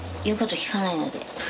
言うこと聞かないので。